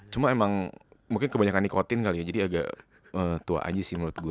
cuma emang mungkin kebanyakan nikotin kali ya jadi agak tua aja sih menurut gue